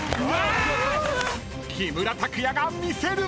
木村拓哉が、魅せる！